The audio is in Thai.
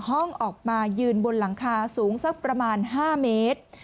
ห้องออกมายืนบนหลังคาสูงประมาณ๕เมตร